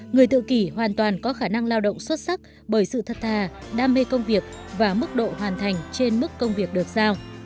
người tự kỷ hoàn toàn có khả năng lao động xuất sắc bởi sự thật thà đam mê công việc và mức độ hoàn thành trên mức công việc được giao